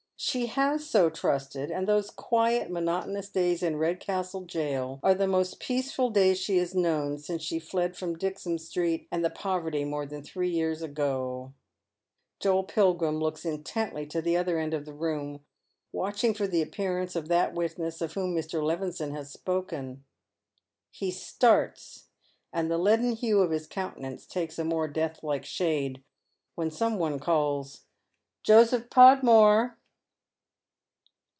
She has so trusted, and those quiet monotonous days in Kedcastle jail are the most peaceful days she has known since she fled from Dixon Street and poverty more than three years ago. Joel Pilgrim looks intently to tlie o ther end of the room, watch ing for the appearance of that witness of whom Mr. Levison has spoken. He starts, and the leaden hue of his countenance takes a more death like shade when some one calls " Joseph Podmore